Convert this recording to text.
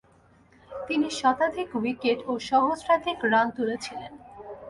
তিনি শতাধিক উইকেট ও সহস্রাধিক রান তুলেছিলেন।